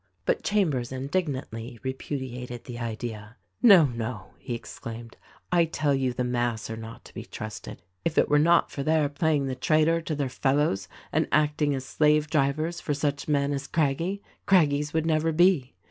"But Chambers indignantly repudiated the idea. "No, no!" he exclaimed: "I tell you the mass are not to be trusted — if it were not for their playing the traitor to their fellows and acting as slave drivers for such men as Crag gie, Craggies would never be.